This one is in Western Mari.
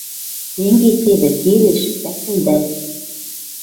Тенге седӹ... келеш... лӓктӹлдӓл.